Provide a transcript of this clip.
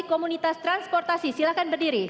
komunitas transportasi silakan berdiri